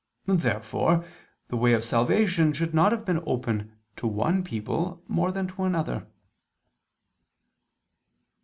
Therefore the way of salvation should not have been opened to one people more than to another.